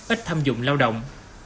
ít tham dụng lao động